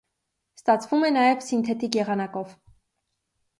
Ստացվում է նաև սինթետիկ եղանակով։